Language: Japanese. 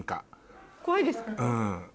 怖いですか？